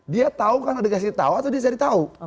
dia tahu karena dikasih tahu atau dia cari tahu